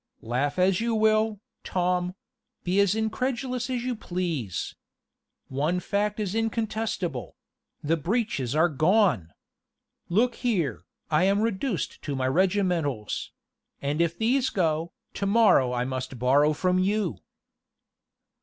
"Laugh as you will, Tom be as incredulous as you please. One fact is incontestable the breeches are gone! Look here I am reduced to my regimentals; and if these go, to morrow I must borrow of you!"